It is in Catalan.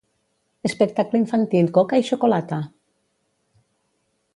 Espectacle infantil i coca i xocolata.